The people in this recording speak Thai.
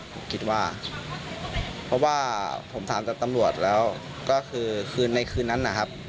เพราะว่าผมถามจากตำรวจแล้วก็คือในคืนนั้นนะครับ